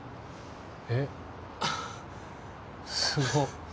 えっすごっ